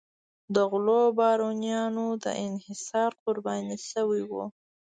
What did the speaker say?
د غلو بارونیانو د انحصار قرباني شوي وو.